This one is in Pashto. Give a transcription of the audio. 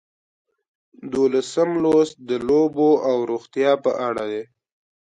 دولسم لوست د لوبو او روغتیا په اړه دی.